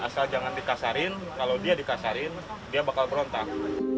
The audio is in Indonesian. asal jangan dikasarin kalau dia dikasarin dia bakal berontak